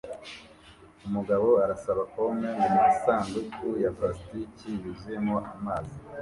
Umugabo arasaba pome mumasanduku ya plastiki yuzuyemo amazi